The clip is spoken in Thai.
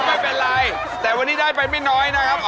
ไม่เป็นไรแต่วันนี้ได้ไปไม่น้อยนะครับ